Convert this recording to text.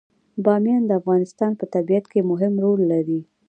بامیان د افغانستان په طبیعت کې مهم رول لري.